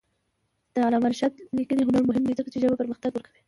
د علامه رشاد لیکنی هنر مهم دی ځکه چې ژبه پرمختګ ورکوي.